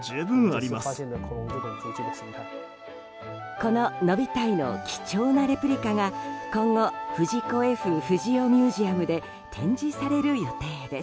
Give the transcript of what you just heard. このノビタイの貴重なレプリカが今後藤子・Ｆ・不二雄ミュージアムで展示される予定です。